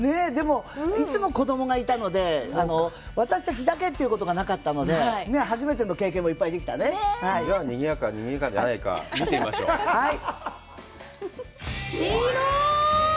いつも子どもがいたので私たちだけってことがなかったので初めての経験もいっぱいできたねにぎやか・にぎやかじゃないか見てみましょう広ーい！